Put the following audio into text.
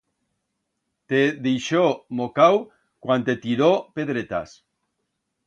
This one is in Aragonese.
Te deixó mocau cuan te tiró pedretas.